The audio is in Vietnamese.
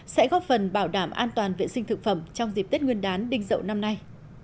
sẽ góp phần bảo đảm an toàn vệ sinh thực phẩm trong dịp tết nguyên đán đinh dậu năm nay